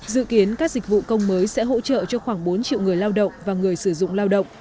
dự kiến các dịch vụ công mới sẽ hỗ trợ cho khoảng bốn triệu người lao động và người sử dụng lao động